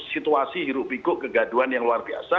situasi hirup hikup kegaduan yang luar biasa